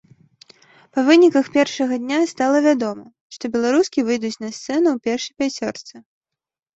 Па выніках першага дня стала вядома, што беларускі выйдуць на сцэну ў першай пяцёрцы.